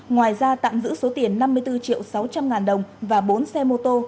ngoài ra tạm giữ số tiền năm mươi bốn triệu sáu trăm linh ngàn đồng và bốn xe mô tô